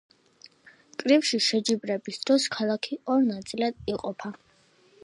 კრივში შეჯიბრების დროს ქალაქი ორ ნაწილად იყოფოდა.